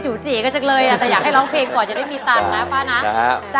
จีกันจังเลยแต่อยากให้ร้องเพลงก่อนจะได้มีตังค์นะป้านะ